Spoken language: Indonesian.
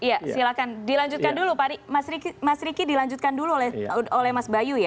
iya silakan dilanjutkan dulu pak riki mas riki dilanjutkan dulu oleh mas bayu ya